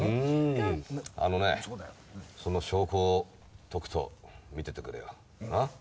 あのねその証拠をとくと見てってくれよ。